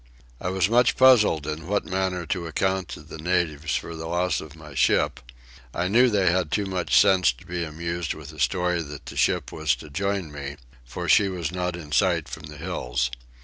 I was much puzzled in what manner to account to the natives for the loss of my ship: I knew they had too much sense to be amused with a story that the ship was to join me, when she was not in sight from the hills.